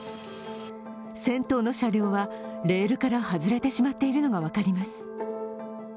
先頭の車両はレールから外れてしまっているのが分かります。